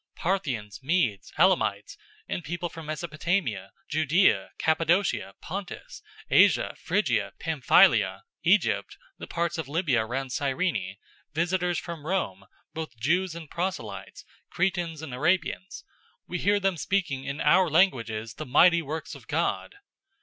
002:009 Parthians, Medes, Elamites, and people from Mesopotamia, Judea, Cappadocia, Pontus, Asia, 002:010 Phrygia, Pamphylia, Egypt, the parts of Libya around Cyrene, visitors from Rome, both Jews and proselytes, 002:011 Cretans and Arabians: we hear them speaking in our languages the mighty works of God!"